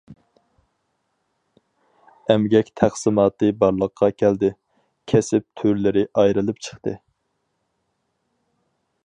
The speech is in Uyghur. ئەمگەك تەقسىماتى بارلىققا كەلدى، كەسىپ تۈرلىرى ئايرىلىپ چىقتى.